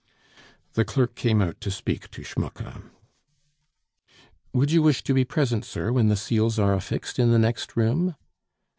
The clerk came out to speak to Schmucke. "Would you wish to be present, sir, when the seals are affixed in the next room?"